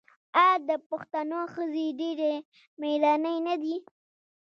آیا د پښتنو ښځې ډیرې میړنۍ نه دي؟